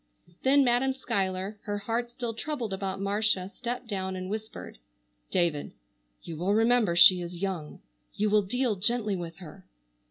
Then Madam Schuyler, her heart still troubled about Marcia, stepped down and whispered: "David, you will remember she is young. You will deal gently with her?"